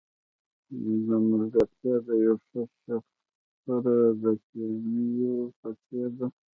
ملګرتیا د یو ښه شخص سره د ګنیو په څېر ده.